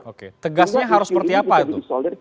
oke tegasnya harus seperti apa itu